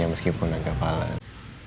ya meskipun agak palas